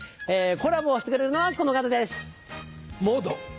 コラボをしてくれるのはこの方です。もど！